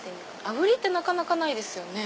あぶりってなかなかないですよね。